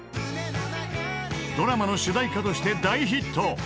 ［ドラマの主題歌として大ヒット］